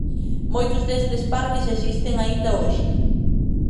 Moitos destes parques existen aínda hoxe.